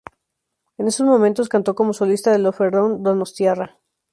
En esos momentos cantó como solista del Orfeón Donostiarra.